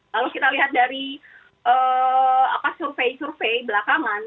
lalu kita lihat dari survei survei belakangan